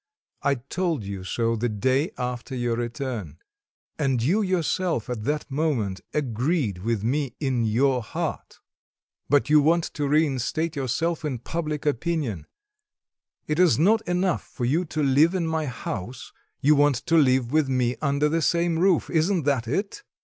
I told you so the day after your return, and you yourself, at that moment, agreed with me in your heart. But you want to reinstate yourself in public opinion; it is not enough for you to live in my house, you want to live with me under the same roof isn't that it?"